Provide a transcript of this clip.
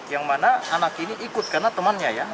yang mana anak ini ikut karena temannya ya